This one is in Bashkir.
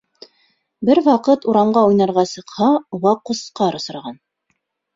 Бер ваҡыт урамға уйнарға сыҡһа, уға Ҡусҡар осраған.